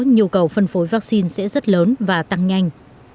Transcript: nhu cầu phân phối vắc xin sẽ rất lớn và tăng nhanh